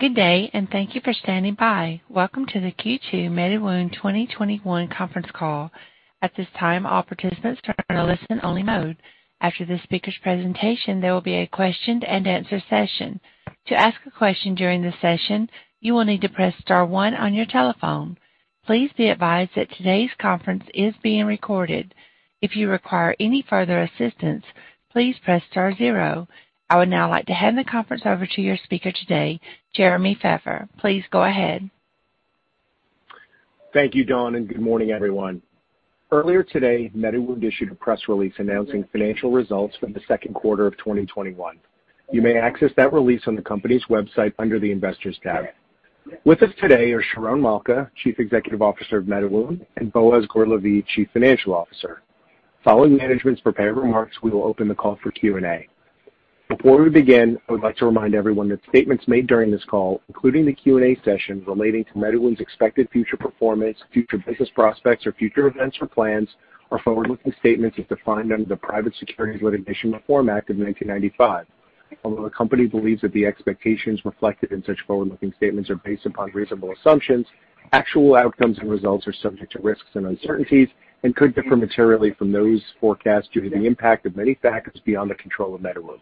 Good day, and thank you for standing by. Welcome to the Q2 MediWound 2021 conference call. I would now like to hand the conference over to your speaker today, Jeremy Feffer. Please go ahead. Thank you, Dawn, good morning, everyone. Earlier today, MediWound issued a press release announcing financial results from the second quarter of 2021. You may access that release on the company's website under the Investors tab. With us today are Sharon Malka, Chief Executive Officer of MediWound, and Boaz Gur-Lavie, Chief Financial Officer. Following management's prepared remarks, we will open the call for Q&A. Before we begin, I would like to remind everyone that statements made during this call, including the Q&A session relating to MediWound's expected future performance, future business prospects, or future events or plans are forward-looking statements as defined under the Private Securities Litigation Reform Act of 1995. Although the company believes that the expectations reflected in such forward-looking statements are based upon reasonable assumptions, actual outcomes and results are subject to risks and uncertainties and could differ materially from those forecasts due to the impact of many factors beyond the control of MediWound.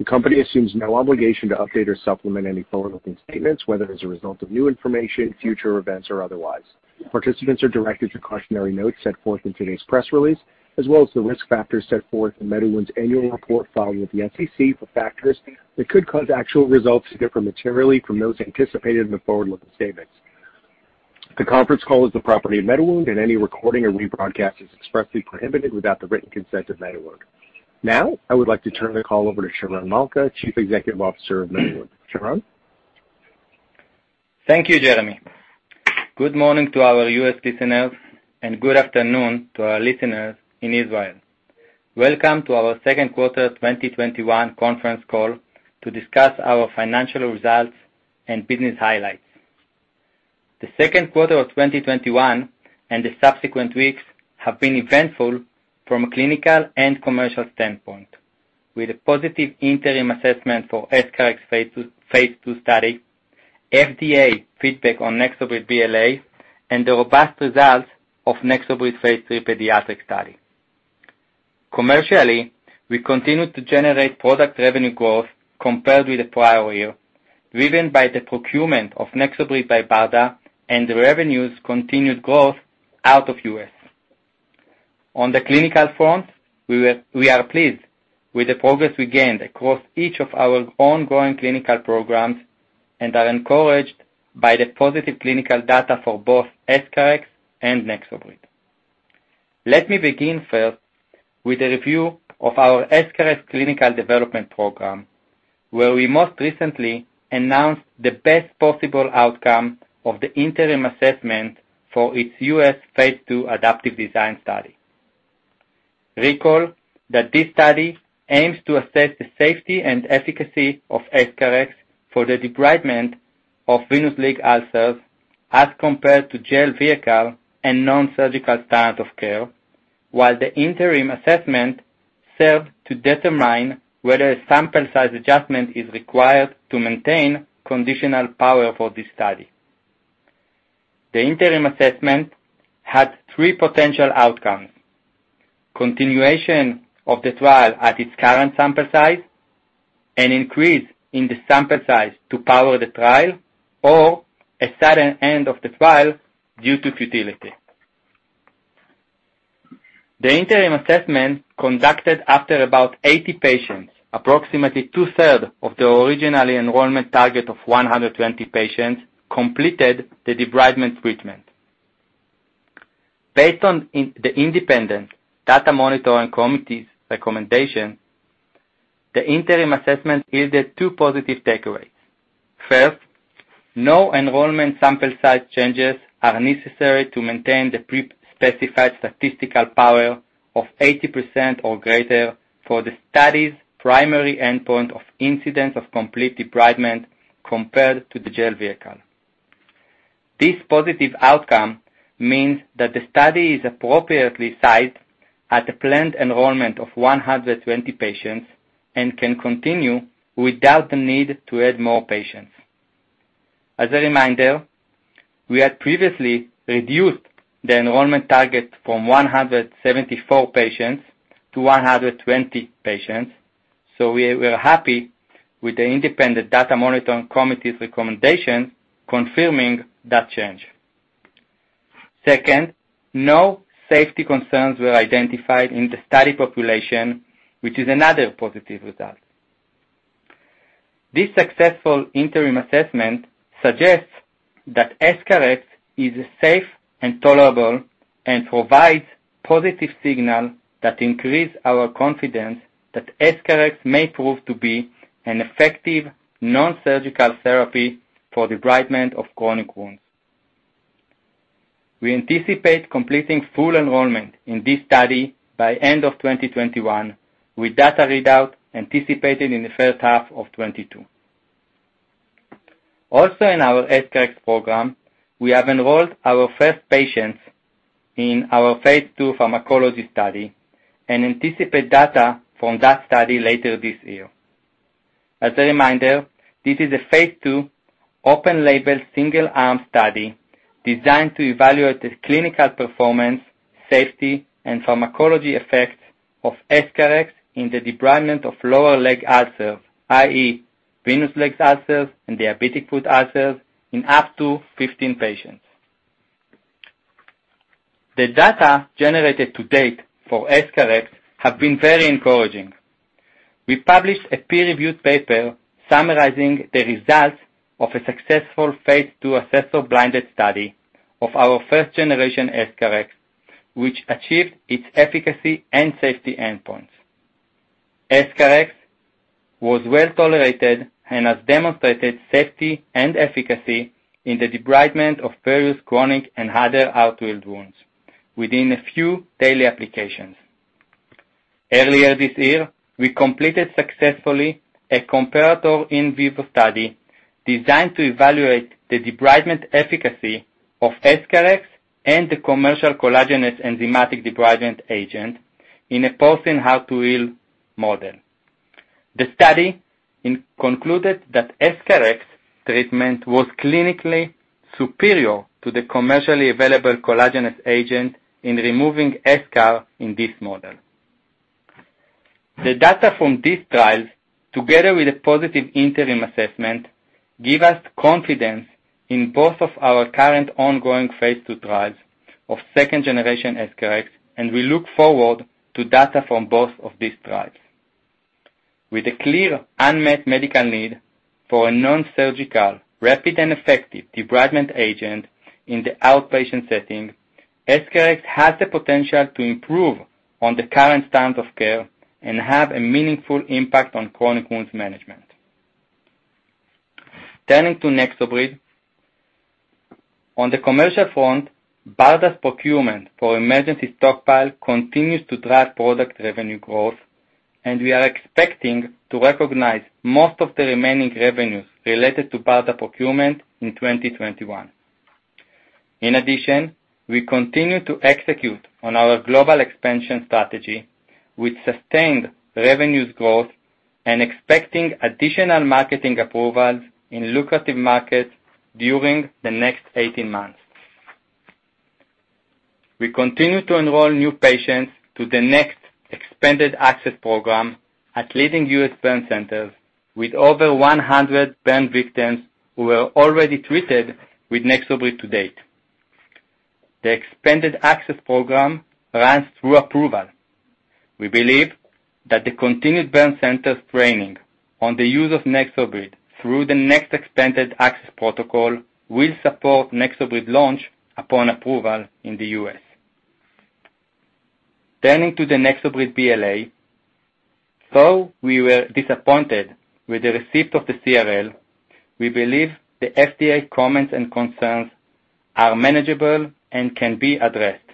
The company assumes no obligation to update or supplement any forward-looking statements, whether as a result of new information, future events, or otherwise. Participants are directed to cautionary notes set forth in today's press release, as well as the risk factors set forth in MediWound's annual report filed with the SEC for factors that could cause actual results to differ materially from those anticipated in the forward-looking statements. The conference call is the property of MediWound, and any recording or rebroadcast is expressly prohibited without the written consent of MediWound. Now, I would like to turn the call over to Sharon Malka, Chief Executive Officer of MediWound. Sharon? Thank you, Jeremy. Good morning to our U.S. listeners and good afternoon to our listeners in Israel. Welcome to our second quarter 2021 conference call to discuss our financial results and business highlights. The second quarter of 2021 and the subsequent weeks have been eventful from a clinical and commercial standpoint. With a positive interim assessment for EscharEx phase II study, FDA feedback on NexoBrid BLA, and the robust results of NexoBrid phase III pediatric study. Commercially, we continued to generate product revenue growth compared with the prior year, driven by the procurement of NexoBrid by BARDA and the revenue's continued growth out of U.S. On the clinical front, we are pleased with the progress we gained across each of our ongoing clinical programs and are encouraged by the positive clinical data for both EscharEx and NexoBrid. Let me begin first with a review of our EscharEx clinical development program, where we most recently announced the best possible outcome of the interim assessment for its U.S. phase II adaptive design study. Recall that this study aims to assess the safety and efficacy of EscharEx for the debridement of venous leg ulcers as compared to gel vehicle and non-surgical standard of care, while the interim assessment served to determine whether a sample size adjustment is required to maintain conditional power for this study. The interim assessment had three potential outcomes. Continuation of the trial at its current sample size, an increase in the sample size to power the trial, or a sudden end of the trial due to futility. The interim assessment conducted after about 80 patients, approximately two-thirds of the original enrollment target of 120 patients, completed the debridement treatment. Based on the independent data monitoring committee's recommendation, the interim assessment yielded two positive takeaways. First, no enrollment sample size changes are necessary to maintain the pre-specified statistical power of 80% or greater for the study's primary endpoint of incidence of complete debridement compared to the gel vehicle. This positive outcome means that the study is appropriately sized at a planned enrollment of 120 patients and can continue without the need to add more patients. As a reminder, we had previously reduced the enrollment target from 174 patients to 120 patients. We're happy with the independent data monitoring committee's recommendation confirming that change. Second, no safety concerns were identified in the study population, which is another positive result. This successful interim assessment suggests that EscharEx is safe and tolerable and provides positive signal that increase our confidence that EscharEx may prove to be an effective non-surgical therapy for debridement of chronic wounds. We anticipate completing full enrollment in this study by end of 2021, with data readout anticipated in the first half of 2022. Also in our EscharEx program, we have enrolled our first patients in our phase II pharmacology study and anticipate data from that study later this year. As a reminder, this is a phase II open label single-arm study designed to evaluate the clinical performance, safety, and pharmacology effect of EscharEx in the debridement of lower leg ulcers, i.e., venous leg ulcers and diabetic foot ulcers in up to 15 patients. The data generated to date for EscharEx have been very encouraging. We published a peer-reviewed paper summarizing the results of a successful phase II assessor-blinded study of our first generation EscharEx, which achieved its efficacy and safety endpoints. EscharEx was well-tolerated and has demonstrated safety and efficacy in the debridement of various chronic and other hard-to-heal wounds within a few daily applications. Earlier this year, we completed successfully a comparator in vivo study designed to evaluate the debridement efficacy of EscharEx and the commercial collagenase enzymatic debridement agent in a porcine hard-to-heal model. The study concluded that EscharEx treatment was clinically superior to the commercially available collagenase agent in removing eschar in this model. The data from these trials, together with a positive interim assessment, give us confidence in both of our current ongoing phase II trials of second generation EscharEx, and we look forward to data from both of these trials. With a clear unmet medical need for a non-surgical, rapid, and effective debridement agent in the outpatient setting, EscharEx has the potential to improve on the current standard of care and have a meaningful impact on chronic wounds management. Turning to NexoBrid. On the commercial front, BARDA's procurement for emergency stockpile continues to drive product revenue growth, We are expecting to recognize most of the remaining revenues related to BARDA procurement in 2021. In addition, we continue to execute on our global expansion strategy with sustained revenues growth and expecting additional marketing approvals in lucrative markets during the next 18 months. We continue to enroll new patients to the NEXT Expanded Access Program at leading U.S. burn centers with over 100 burn victims who were already treated with NexoBrid to date. The Expanded Access Program runs through approval. We believe that the continued burn centers training on the use of NexoBrid through the NEXT Expanded Access protocol will support NexoBrid launch upon approval in the U.S. Turning to the NexoBrid BLA. We were disappointed with the receipt of the CRL, we believe the FDA comments and concerns are manageable and can be addressed.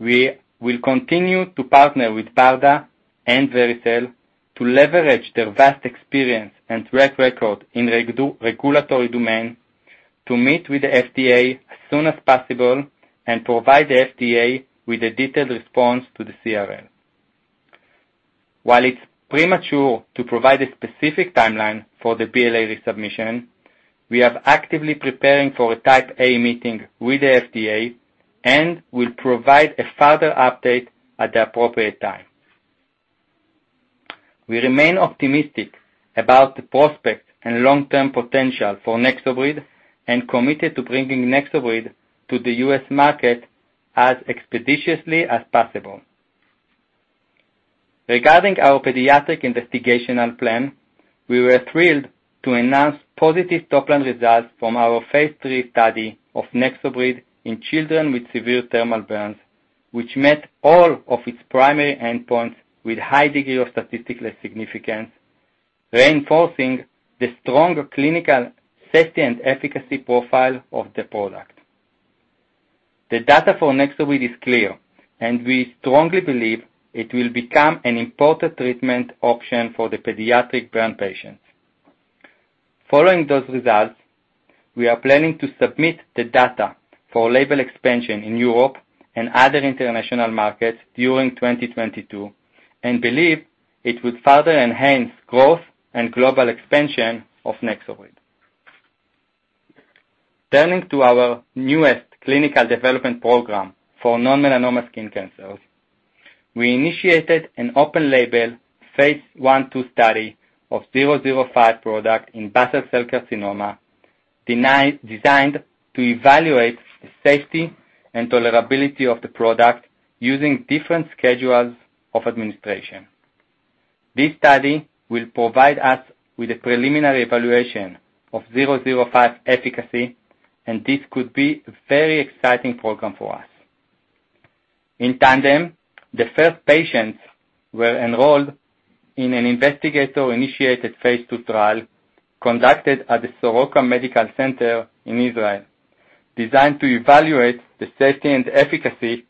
We will continue to partner with BARDA and Vericel to leverage their vast experience and track record in regulatory domain to meet with the FDA as soon as possible and provide the FDA with a detailed response to the CRL. It's premature to provide a specific timeline for the BLA resubmission, we are actively preparing for a Type A meeting with the FDA and will provide a further update at the appropriate time. We remain optimistic about the prospects and long-term potential for NexoBrid and committed to bringing NexoBrid to the U.S. market as expeditiously as possible. Regarding our pediatric investigational plan, we were thrilled to announce positive top-line results from our phase III study of NexoBrid in children with severe thermal burns, which met all of its primary endpoints with high degree of statistical significance, reinforcing the strong clinical safety and efficacy profile of the product. The data for NexoBrid is clear, and we strongly believe it will become an important treatment option for the pediatric burn patients. Following those results, we are planning to submit the data for label expansion in Europe and other international markets during 2022 and believe it would further enhance growth and global expansion of NexoBrid. Turning to our newest clinical development program for non-melanoma skin cancers. We initiated an open label phase I/II study of 005 in basal cell carcinoma, designed to evaluate the safety and tolerability of the product using different schedules of administration. This study will provide us with a preliminary evaluation of 005 efficacy, this could be a very exciting program for us. In tandem, the first patients were enrolled in an investigator-initiated phase II trial conducted at the Soroka Medical Center in Israel, designed to evaluate the safety and efficacy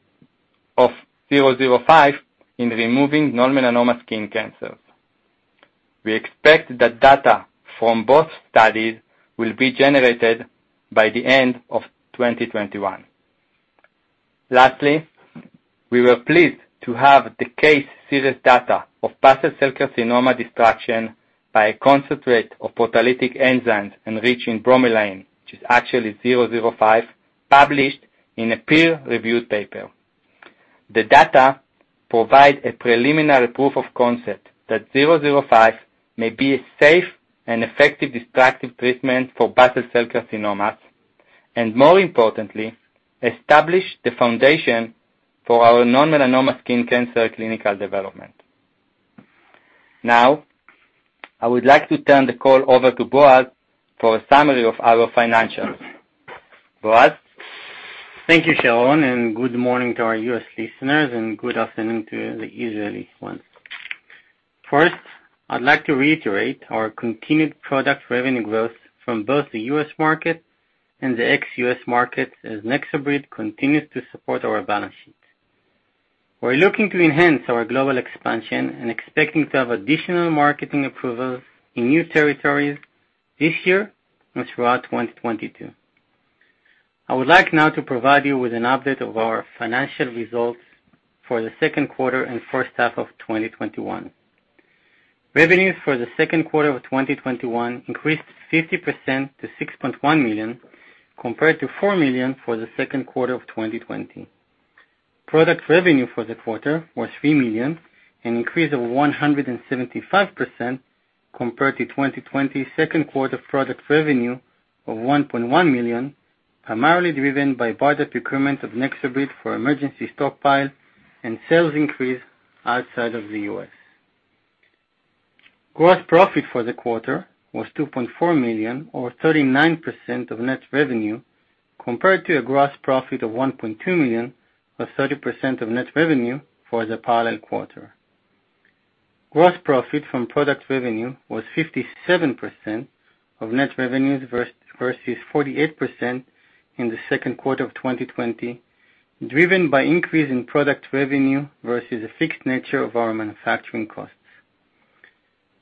of 005 in removing non-melanoma skin cancers. We expect the data from both studies will be generated by the end of 2021. Lastly, we were pleased to have the case series data of basal cell carcinoma destruction by a concentrate of proteolytic enzymes enriching bromelain, which is actually 005, published in a peer-reviewed paper. The data provide a preliminary proof of concept that 005 may be a safe and effective destructive treatment for basal cell carcinomas, and more importantly, establish the foundation for our non-melanoma skin cancer clinical development. Now, I would like to turn the call over to Boaz for a summary of our financials. Boaz? Thank you, Sharon, and good morning to our U.S. listeners and good afternoon to the Israeli ones. First, I'd like to reiterate our continued product revenue growth from both the U.S. market and the ex-U.S. markets as NexoBrid continues to support our balance sheet. We're looking to enhance our global expansion and expecting to have additional marketing approvals in new territories this year and throughout 2022. I would like now to provide you with an update of our financial results for the second quarter and first half of 2021. Revenues for the second quarter of 2021 increased 50% to $6.1 million, compared to $4 million for the second quarter of 2020. Product revenue for the quarter was $3 million, an increase of 175% compared to 2020 second quarter product revenue of $1.1 million, primarily driven by BARDA procurement of NexoBrid for emergency stockpile and sales increase outside of the U.S. Gross profit for the quarter was $2.4 million, or 39% of net revenue, compared to a gross profit of $1.2 million, or 30% of net revenue for the parallel quarter. Gross profit from product revenue was 57% of net revenues versus 48% in the second quarter of 2020, driven by increase in product revenue versus the fixed nature of our manufacturing costs.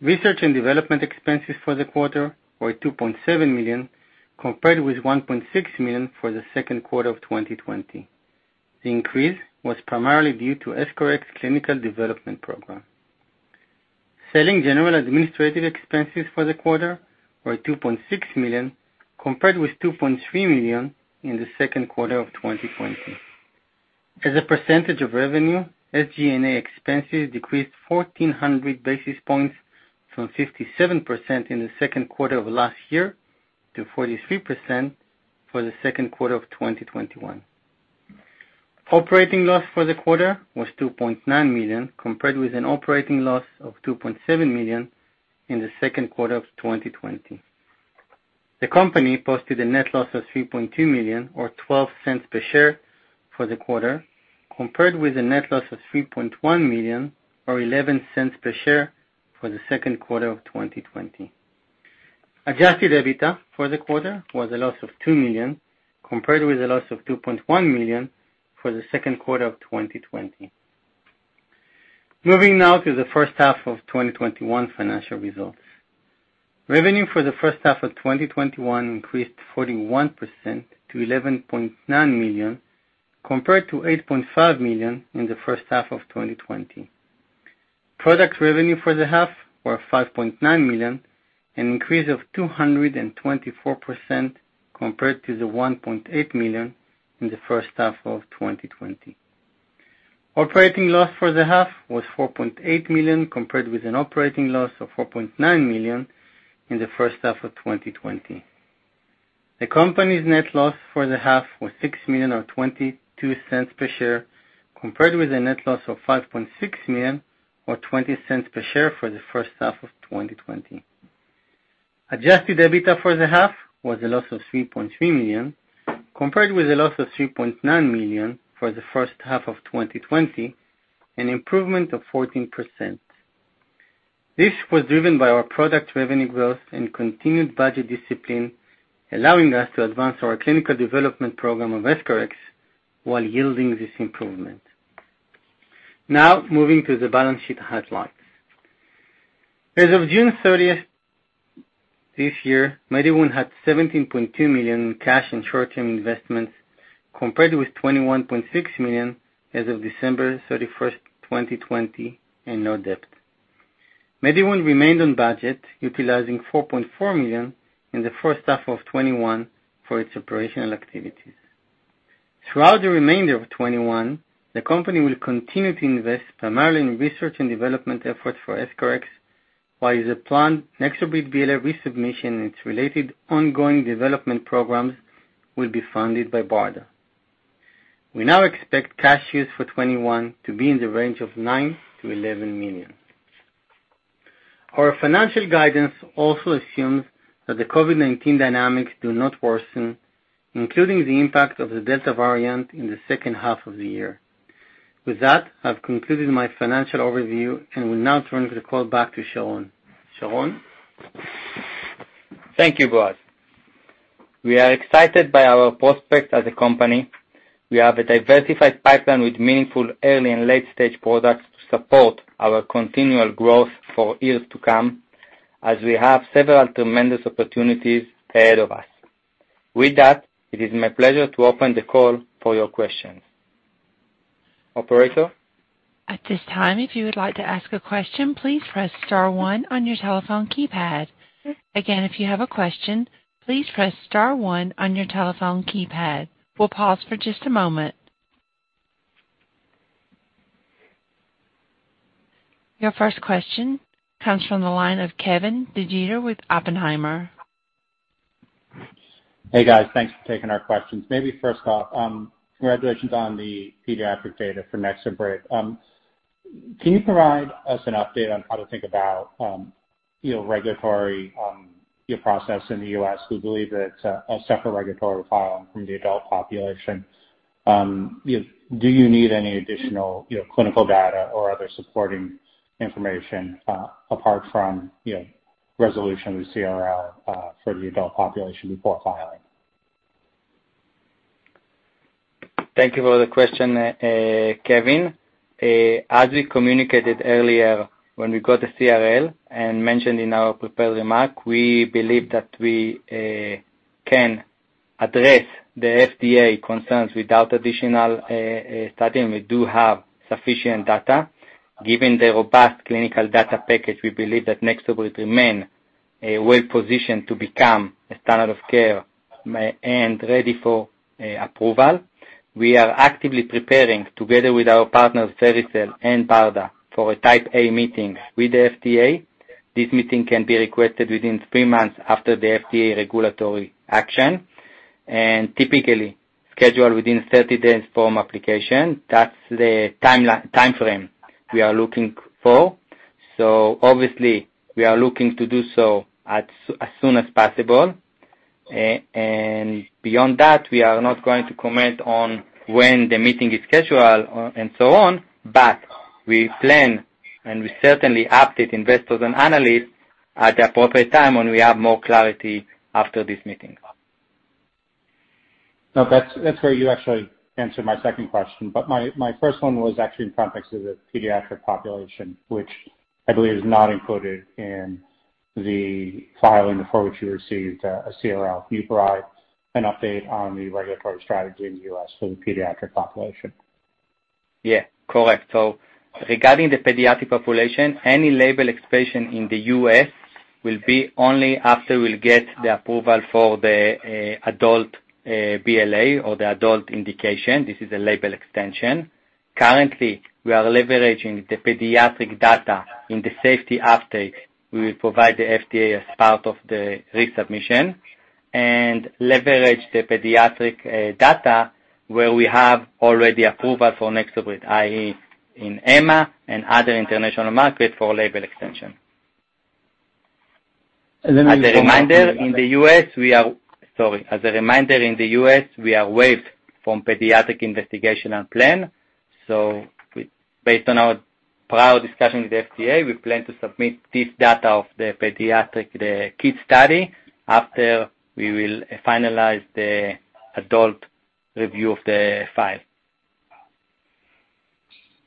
Research and development expenses for the quarter were $2.7 million, compared with $1.6 million for the second quarter of 2020. The increase was primarily due to EscharEx clinical development program. Selling general administrative expenses for the quarter were $2.6 million, compared with $2.3 million in the second quarter of 2020. As a percentage of revenue, SG&A expenses decreased 1,400 basis points from 57% in the second quarter of last year to 43% for the second quarter of 2021. Operating loss for the quarter was $2.9 million, compared with an operating loss of $2.7 million in the second quarter of 2020. The company posted a net loss of $3.2 million, or $0.12 per share for the quarter, compared with a net loss of $3.1 million, or $0.11 per share for the second quarter of 2020. Adjusted EBITDA for the quarter was a loss of $2 million, compared with a loss of $2.1 million for the second quarter of 2020. Moving now to the first half of 2021 financial results. Revenue for the first half of 2021 increased 41% to $11.9 million, compared to $8.5 million in the first half of 2020. Product revenue for the half were $5.9 million, an increase of 224% compared to the $1.8 million in the first half of 2020. Operating loss for the half was $4.8 million, compared with an operating loss of $4.9 million in the first half of 2020. The company's net loss for the half was $6 million, or $0.22 per share, compared with a net loss of $5.6 million, or $0.20 per share for the first half of 2020. Adjusted EBITDA for the half was a loss of $3.3 million, compared with a loss of $3.9 million for the first half of 2020, an improvement of 14%. This was driven by our product revenue growth and continued budget discipline, allowing us to advance our clinical development program of EscharEx while yielding this improvement. Moving to the balance sheet highlights. As of June 30th this year, MediWound had $17.2 million in cash and short-term investments, compared with $21.6 million as of December 31st, 2020, and no debt. MediWound remained on budget, utilizing $4.4 million in the first half of 2021 for its operational activities. Throughout the remainder of 2021, the company will continue to invest primarily in research and development efforts for EscharEx, while the planned NexoBrid BLA resubmission and its related ongoing development programs will be funded by BARDA. We now expect cash use for 2021 to be in the range of $9 million-$11 million. Our financial guidance also assumes that the COVID-19 dynamics do not worsen, including the impact of the Delta variant in the second half of the year. With that, I've concluded my financial overview and will now turn the call back to Sharon. Sharon? Thank you, Boaz. We are excited by our prospects as a company. We have a diversified pipeline with meaningful early and late-stage products to support our continual growth for years to come, as we have several tremendous opportunities ahead of us. With that, it is my pleasure to open the call for your questions. Operator? At this time, if you would like to ask a question, please press star one on your telephone keypad. Again, if you have a question, please press star one on your telephone keypad. We'll pause for just a moment. Your first question comes from the line of Kevin DeGeeter with Oppenheimer. Hey, guys. Thanks for taking our questions. Maybe first off, congratulations on the pediatric data for NexoBrid. Can you provide us an update on how to think about your regulatory process in the U.S.. We believe that it's a separate regulatory filing from the adult population. Do you need any additional clinical data or other supporting information, apart from resolution of the CRL, for the adult population before filing? Thank you for the question, Kevin. As we communicated earlier when we got the CRL and mentioned in our prepared remark, we believe that we can address the FDA concerns without additional study, and we do have sufficient data. Given the robust clinical data package, we believe that NexoBrid remains well-positioned to become a standard of care and ready for approval. We are actively preparing, together with our partners, Vericel and BARDA, for a Type A meeting with the FDA. This meeting can be requested within three months after the FDA regulatory action. Typically, scheduled within 30 days from application. That's the timeframe we are looking for. Obviously, we are looking to do so as soon as possible. Beyond that, we are not going to comment on when the meeting is scheduled and so on. We plan, and we certainly update investors and analysts at the appropriate time when we have more clarity after this meeting. That's where you actually answered my second question. My first one was actually in context of the pediatric population, which I believe is not included in the filing for which you received a CRL. Can you provide an update on the regulatory strategy in the U.S. for the pediatric population? Yeah. Correct. Regarding the pediatric population, any label expansion in the U.S. will be only after we'll get the approval for the adult BLA or the adult indication. This is a label extension. Currently, we are leveraging the pediatric data in the safety update we will provide the FDA as part of the resubmission and leverage the pediatric data where we have already approval for NexoBrid, i.e. in EMA and and other international markets for label extension. maybe. As a reminder, in the U.S., we are waived from pediatric investigational plan. Based on our prior discussion with the FDA, we plan to submit this data of the pediatric, the kid study, after we will finalize the adult review of the file.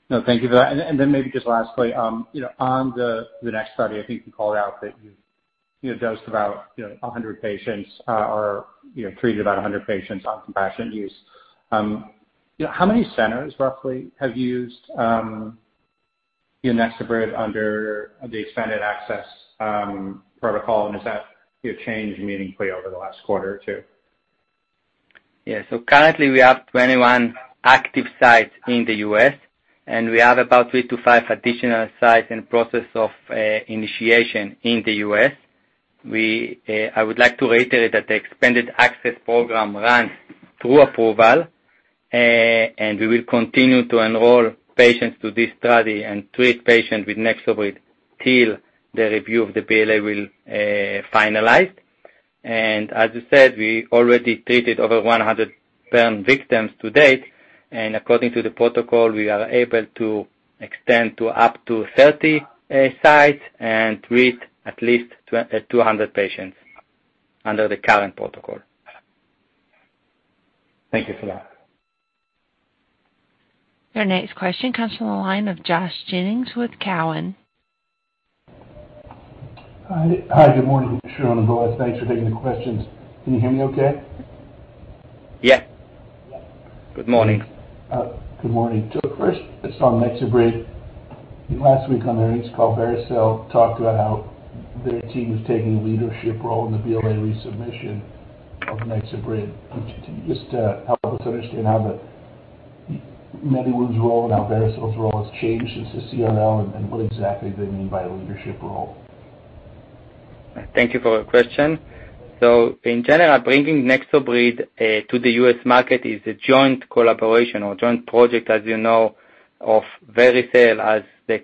No, thank you for that. Maybe just lastly, on the NEXT study, I think you called out that you dosed about 100 patients or treated about 100 patients on compassionate use. How many centers, roughly, have used NexoBrid under the expanded access protocol, and has that changed meaningfully over the last quarter or two? Currently, we have 21 active sites in the U.S., and we have about three to five additional sites in process of initiation in the U.S. I would like to reiterate that the expanded access program runs through approval, and we will continue to enroll patients to this study and treat patients with NexoBrid till the review of the BLA will finalize. As you said, we already treated over 100 burn victims to date, and according to the protocol, we are able to extend to up to 30 sites and treat at least 200 patients under the current protocol. Thank you for that. Your next question comes from the line of Josh Jennings with Cowen. Hi. Good morning, Sharon and Boaz. Thanks for taking the questions. Can you hear me okay? Yeah. Good morning. Good morning. The first is on NexoBrid. Last week on the earnings call, Vericel talked about how their team is taking a leadership role in the BLA resubmission of NexoBrid. Can you just help us understand how MediWound's role and how Vericel's role has changed since the CRL and what exactly they mean by a leadership role? Thank you for your question. In general, bringing NexoBrid to the U.S. market is a joint collaboration or joint project, as you know, of Vericel as the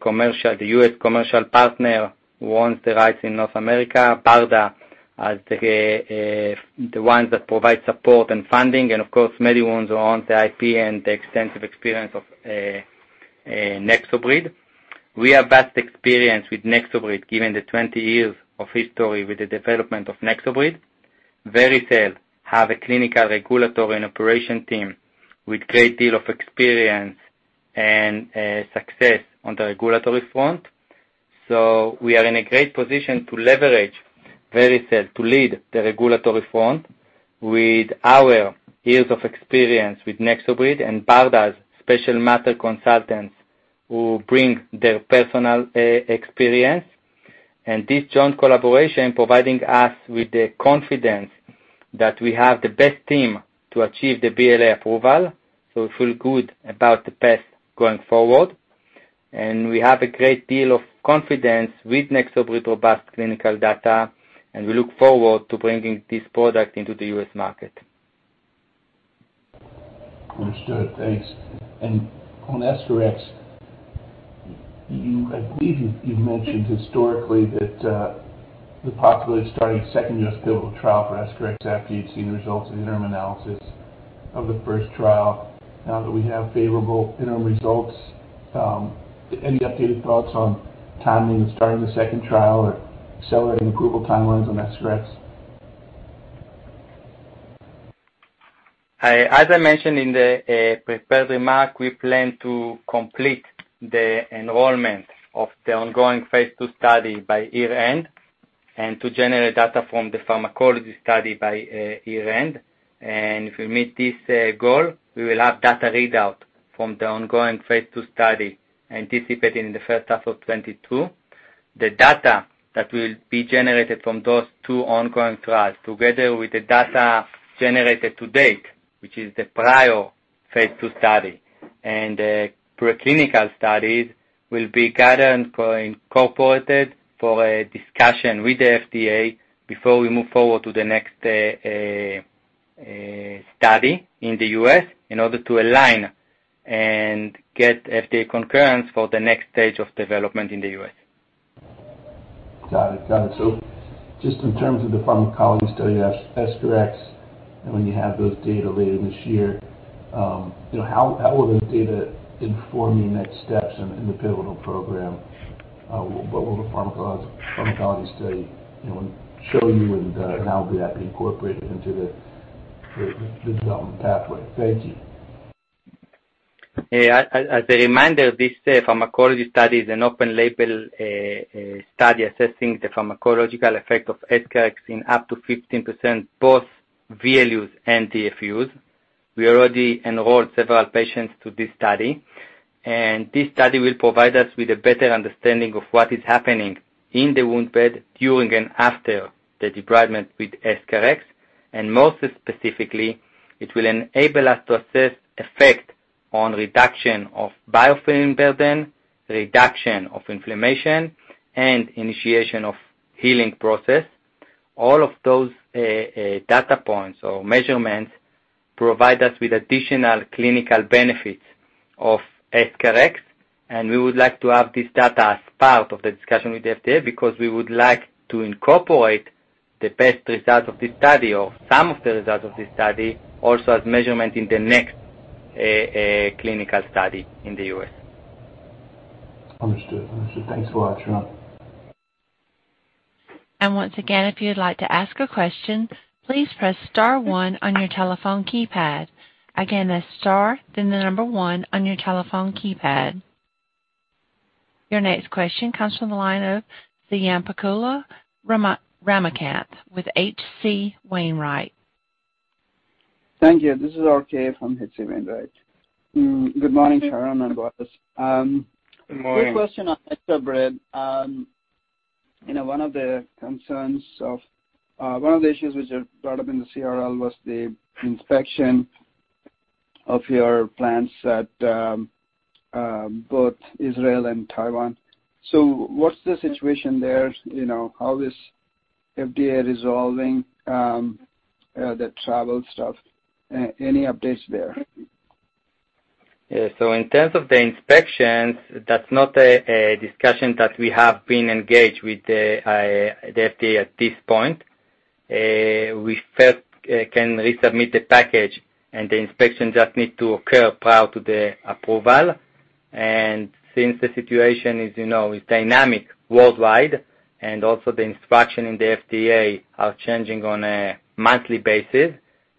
U.S. commercial partner who owns the rights in North America, BARDA as the ones that provide support and funding, and of course, MediWound who owns the IP and the extensive experience of NexoBrid. We have vast experience with NexoBrid, given the 20 years of history with the development of NexoBrid. Vericel has a clinical, regulatory, and operation team with great deal of experience and success on the regulatory front. We are in a great position to leverage Vericel to lead the regulatory front with our years of experience with NexoBrid and BARDA's subject matter consultants, who bring their personal experience, and this joint collaboration providing us with the confidence that we have the best team to achieve the BLA approval. We feel good about the path going forward, and we have a great deal of confidence with NexoBrid robust clinical data, and we look forward to bringing this product into the U.S. market. Understood. Thanks. On EscharEx, I believe you mentioned historically that the population starting phase II pivotal trial for EscharEx after you'd seen the results of the interim analysis of the phase I trial. Now that we have favorable interim results, any updated thoughts on timing in starting the phase II trial or accelerating approval timelines on EscharEx? As I mentioned in the prepared remark, we plan to complete the enrollment of the ongoing phase II study by year-end, and to generate data from the pharmacology study by year-end. If we meet this goal, we will have data readout from the ongoing phase II study anticipated in the first half of 2022. The data that will be generated from those two ongoing trials, together with the data generated to date, which is the prior phase II study and the preclinical studies, will be gathered and incorporated for a discussion with the FDA before we move forward to the next study in the U.S. in order to align and get FDA concurrence for the next stage of development in the U.S. Got it. Just in terms of the pharmacology study of EscharEx and when you have those data later this year, how will the data inform your next steps in the pivotal program? What will the pharmacology study show you, and how will that be incorporated into the development pathway? Thank you. As a reminder, this pharmacology study is an open-label study assessing the pharmacological effect of EscharEx in up to 15%, both VLUs and DFUs. We already enrolled several patients to this study. This study will provide us with a better understanding of what is happening in the wound bed during and after the debridement with EscharEx. More specifically, it will enable us to assess effect on reduction of biofilm burden, reduction of inflammation, and initiation of healing process. All of those data points or measurements provide us with additional clinical benefits of EscharEx, and we would like to have this data as part of the discussion with the FDA because we would like to incorporate the best results of this study or some of the results of this study also as measurement in the next clinical study in the U.S. Understood. Thanks a lot, Sharon. Once again, if you'd like to ask a question, please press star one on your telephone keypad. That's star then the number one on your telephone keypad. Your next question comes from the line of Swayampakula Ramakanth with HC Wainwright. Thank you. This is RK from HC Wainwright. Good morning, Sharon and Boaz. Good morning. Quick question on NexoBrid. One of the issues which are brought up in the CRL was the inspection of your plants at both Israel and Taiwan. What's the situation there? How is FDA resolving the travel stuff? Any updates there? In terms of the inspections, that's not a discussion that we have been engaged with the FDA at this point. We first can resubmit the package, and the inspection just need to occur prior to the approval. Since the situation is dynamic worldwide, and also the instruction in the FDA are changing on a monthly basis,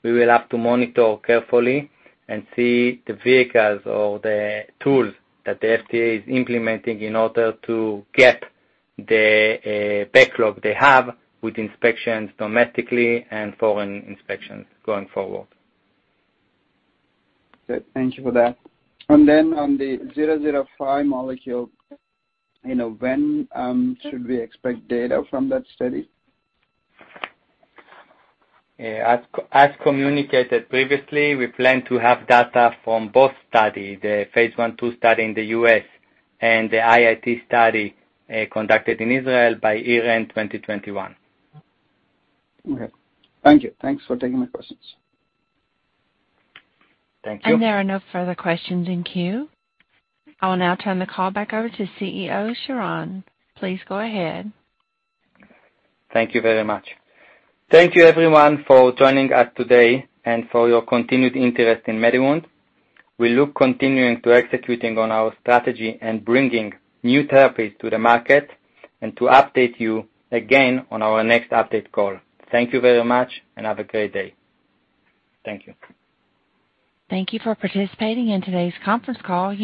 we will have to monitor carefully and see the vehicles or the tools that the FDA is implementing in order to get the backlog they have with inspections domestically and foreign inspections going forward. Good. Thank you for that. On the 005 molecule, when should we expect data from that study? As communicated previously, we plan to have data from both study, the phase I, II study in the U.S. and the IIT study conducted in Israel by year-end 2021. Okay. Thank you. Thanks for taking my questions. Thank you. There are no further questions in queue. I will now turn the call back over to CEO, Sharon. Please go ahead. Thank you very much. Thank you everyone for joining us today and for your continued interest in MediWound. We look continuing to executing on our strategy and bringing new therapies to the market and to update you again on our next update call. Thank you very much and have a great day. Thank you. Thank you for participating in today's conference call.